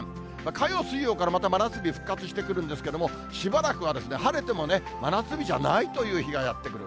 火曜、水曜からまた真夏日復活してくるんですけれども、しばらくは、晴れても真夏日じゃないという日がやって来る。